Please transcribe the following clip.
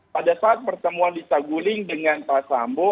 pada saat pertemuan lisa guling dengan pak sambo